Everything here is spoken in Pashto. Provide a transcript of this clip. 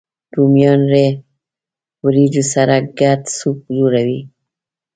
رومیان له ورېجو سره ګډ سوپ جوړوي